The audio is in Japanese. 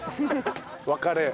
別れ。